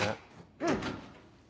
うん。